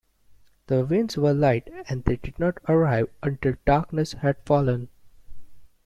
The winds were light and they did not arrive until darkness had fallen.